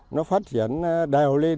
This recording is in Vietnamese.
nó phát triển đều lên